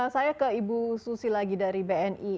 saya ke ibu susi lagi dari bni